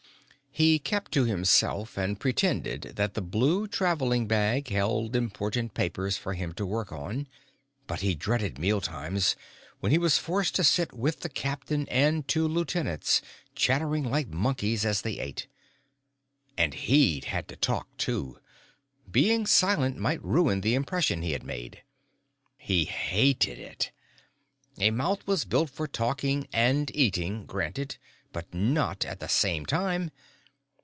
He kept to himself and pretended that the blue traveling bag held important papers for him to work on, but he dreaded mealtimes, when he was forced to sit with the captain and two lieutenants, chattering like monkeys as they ate. And he'd had to talk, too; being silent might ruin the impression he had made. He hated it. A mouth was built for talking and eating, granted but not at the same time.